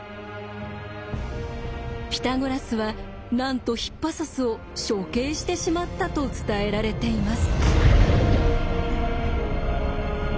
ピタゴラスはなんとヒッパソスを処刑してしまったと伝えられています。